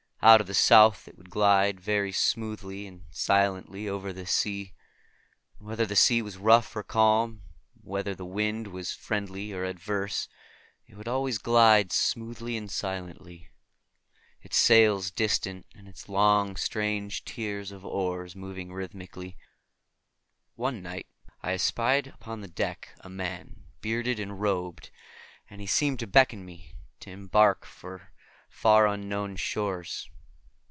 Out of the South it would glide very smoothly and silently over the sea. And whether the sea was rough or calm, and whether the wind was friendly or adverse, it would always glide smoothly and silently, its sails distant and its long strange tiers of oars moving rhythmically. One night I espied upon the deck a man, bearded and robed, and he seemed to beckon me to embark for fair unknown shores.